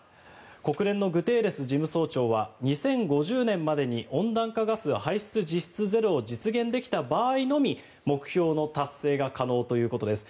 国連のグテーレス事務総長は２０５０年までに温暖化ガス排出実質ゼロを実現できた場合のみ目標の達成が可能ということです。